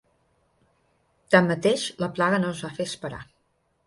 Tanmateix, la plaga no es va fer esperar.